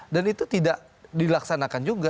dan itu tidak dilaksanakan juga